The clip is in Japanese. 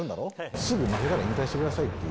すぐ負けたら引退してくださいよっていう。